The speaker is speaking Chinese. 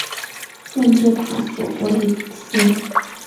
县治卡索波利斯。